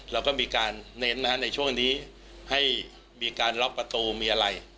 เราก็มีการเน้นในช่วงนี้ให้มีการล็อกประตูมีอะไร